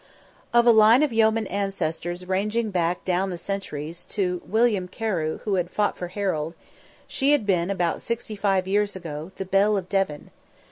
Of a line of yeomen ancestors ranging back down the centuries to the William Carew who had fought for Harold, she had been, about sixty five years ago, the belle of Devon.